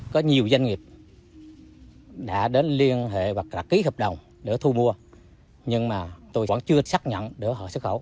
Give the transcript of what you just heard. có nhiều doanh nghiệp đã đến liên hệ hoặc là ký hợp đồng để thu mua nhưng mà tôi vẫn chưa xác nhận để họ xuất khẩu